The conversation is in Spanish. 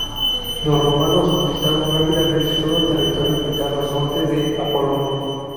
Los romanos conquistaron rápidamente todo el territorio ubicado al norte de Apolonia.